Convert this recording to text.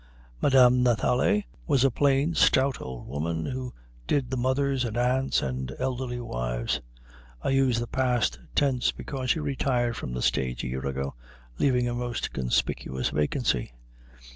Madame Nathalie was a plain, stout old woman, who did the mothers and aunts and elderly wives; I use the past tense because she retired from the stage a year ago, leaving a most conspicuous vacancy.